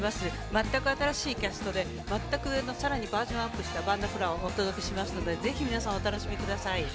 全く新しいキャストで全くさらにバージョンアップした「バーン・ザ・フロア」をお届けしますのでぜひ皆さん、お楽しみください。